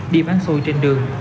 đi bán xôi trên đường